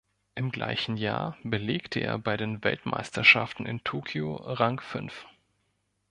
Im gleichen Jahr belegte er bei den Weltmeisterschaften in Tokio Rang fünf.